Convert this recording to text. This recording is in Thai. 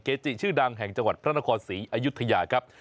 เกจิชื่อดังแห่งจังหวัดพระนครศรีอายุทยาครับ